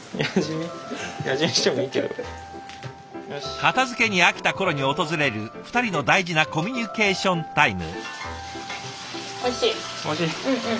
片づけに飽きた頃に訪れる２人の大事なコミュニケーションタイム。